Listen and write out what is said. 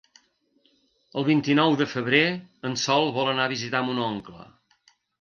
El vint-i-nou de febrer en Sol vol anar a visitar mon oncle.